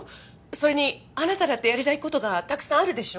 それにあなただってやりたいことがたくさんあるでしょ